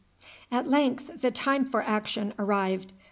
At length the time for action arrived.